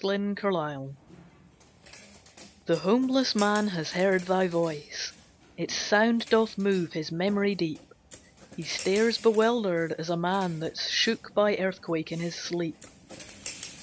THE CHURCH ORGAN The homeless man has heard thy voice, Its sound doth move his memory deep; He stares bewildered, as a man That's shook by earthquake in his sleep.